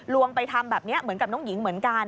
วงไปทำแบบนี้เหมือนกับน้องหญิงเหมือนกัน